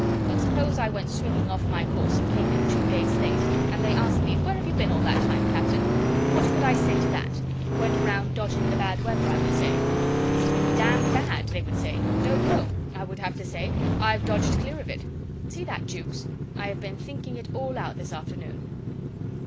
But suppose I went swinging off my course and came in two days late, and they asked me: 'Where have you been all that time, Captain?' What could I say to that? 'Went around to dodge the bad weather,' I would say. 'It must've been dam' bad,' they would say. 'Don't know,' I would have to say; 'I've dodged clear of it.' See that, Jukes? I have been thinking it all out this afternoon."